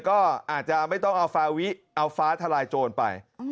ก็อาจจะไม่ต้องเอาฟาวิเอาฟ้าทลายโจรไป